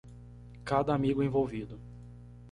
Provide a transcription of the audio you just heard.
Cada amigo envolvido